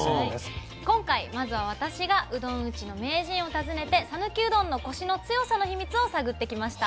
今回まずは私がうどん打ちの名人を訪ねて讃岐うどんのコシの強さのヒミツを探ってきました。